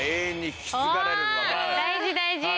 大事大事。